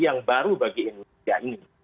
yang baru bagi indonesia ini